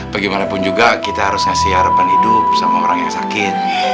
bagaimanapun juga kita harus ngasih harapan hidup sama orang yang sakit